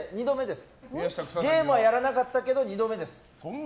ゲームはやらなかったけど２度目です。